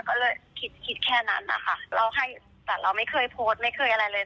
ก็เลยคิดคิดแค่นั้นนะคะเราให้แต่เราไม่เคยโพสต์ไม่เคยอะไรเลย